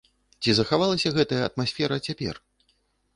Ці захавалася гэтая атмасфера цяпер?